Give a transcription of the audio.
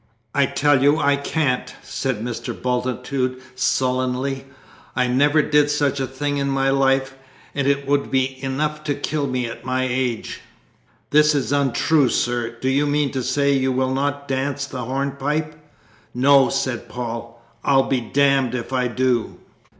"I tell you I can't!" said Mr. Bultitude sullenly. "I never did such a thing in my life; it would be enough to kill me at my age!" "This is untrue, sir. Do you mean to say you will not dance the hornpipe?" "No," said Paul, "I'll be damned if I do!"